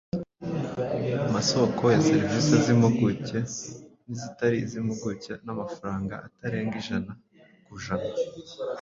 masoko ya servisi z’impuguke n’izitari iz’impuguke n’amafaranga atarenga ijana kujana